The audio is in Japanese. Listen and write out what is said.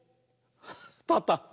たった。